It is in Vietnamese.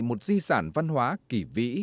một di sản văn hóa kỳ vĩ